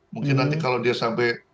mungkin nanti kalau dia sampai